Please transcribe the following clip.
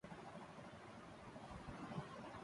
پارسا چہروں کی جو اس شوروغل میں بے نقاب ہوئی۔